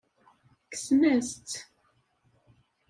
Kksen-as-tt.